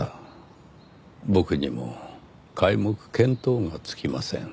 僕にも皆目見当がつきません。